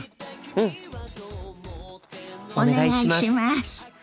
うん！お願いします。